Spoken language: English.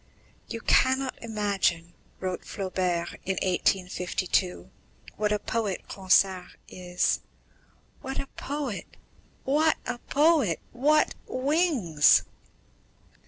"You cannot imagine," wrote Flaubert, in 1852, "what a poet Ronsard is. What a poet! What a poet! What wings!...